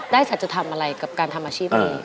สัจธรรมอะไรกับการทำอาชีพนี้